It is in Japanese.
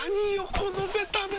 このベタベタ。